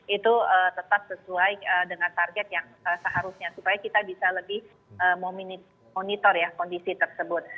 itu tetap sesuai dengan target yang seharusnya supaya kita bisa lebih memonitor ya kondisi tersebut